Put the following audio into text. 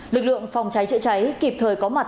lực lượng phòng cháy chữa cháy kịp thời có mặt